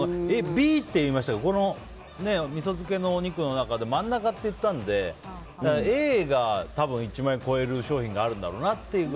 Ｂって言いましたけど味噌漬けのお肉の中で真ん中って言ったんでＡが多分１万円を超える商品があるだろうなと。